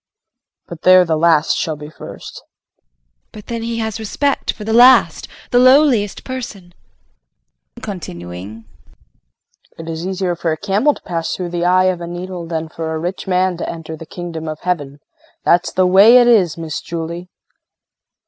But there the last shall be first. JULIE. But then has he respect for the last the lowliest person? KRISTIN [Continuing]. It is easier for a camel to pass through the eye of a needle than for a rich man to enter the Kingdom of Heaven. That's the way it is, Miss Julie.